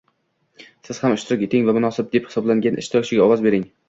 Siz ham ishtirok eting va munosib deb hisoblagan ishtirokchiga ovoz bering.